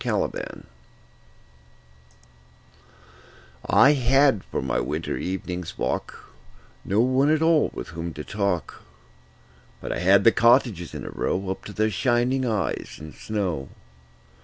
Good Hours I HAD for my winter evening walk No one at all with whom to talk, But I had the cottages in a row Up to their shining eyes in snow.